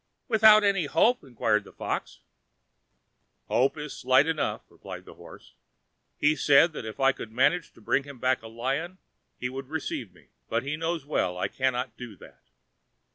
"Without any hope?" inquired the fox. "The hope is slight enough," replied the horse; "he said that if I could manage to bring him back a lion he would receive me; but he knows well I cannot do that."